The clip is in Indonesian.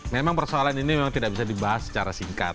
memang persoalan ini memang tidak bisa dibahas secara singkat